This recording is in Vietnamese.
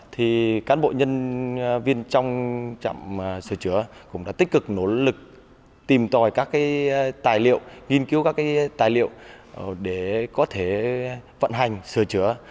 thì cán bộ nhân viên trong trạm sửa chữa cũng đã tích cực nỗ lực tìm tòi các tài liệu nghiên cứu các tài liệu để có thể vận hành sửa chữa